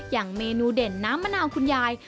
อย่างเมนูเด่นน้ำมะนาวคุณยาย